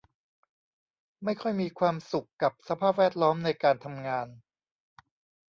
ไม่ค่อยมีความสุขกับสภาพแวดล้อมในการทำงาน